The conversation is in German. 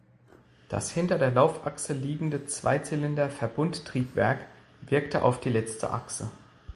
Das hinter der Laufachse liegende Zweizylinder-Verbundtriebwerk wirkte auf die letzte Achse.